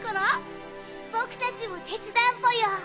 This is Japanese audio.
ぼくたちもてつだうぽよ！